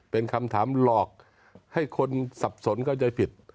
เป็นคำถามหลอกให้คนสับสนเข้าใจผิด